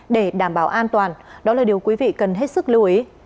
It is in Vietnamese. để đảm bảo an toàn đó là điều quý vị cần hết sức lưu ý